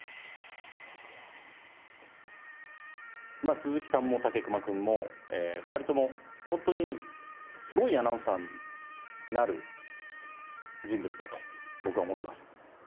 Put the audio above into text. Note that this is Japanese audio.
鈴木さんも武隈君も２人とも本当にすごいアナウンサーになる人物だと僕は思ってます。